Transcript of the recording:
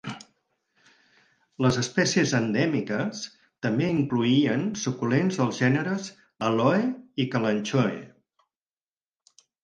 Les espècies endèmiques també incloïen suculents dels gèneres "Aloe" i "Kalanchoe".